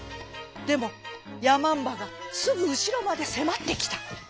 でもやまんばがすぐうしろまでせまってきた。